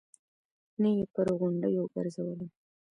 نه يې پر غونډيو ګرځولم.